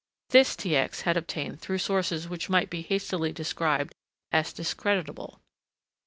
This T. X. had obtained through sources which might be hastily described as discreditable.